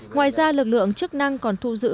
ngoài ra lực lượng chức năng còn thu giữ